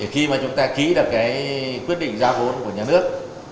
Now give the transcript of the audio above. khi mà chúng ta ký được cái quyết định giao vốn của nhà nước